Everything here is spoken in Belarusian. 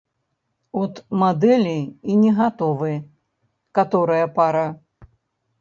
От мадэлі і не гатовы, каторая пара.